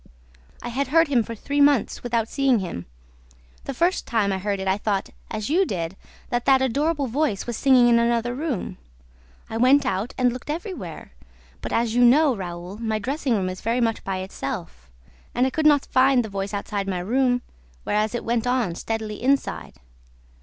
"I had heard him for three months without seeing him. The first time I heard it, I thought, as you did, that that adorable voice was singing in another room. I went out and looked everywhere; but, as you know, Raoul, my dressing room is very much by itself; and I could not find the voice outside my room, whereas it went on steadily inside.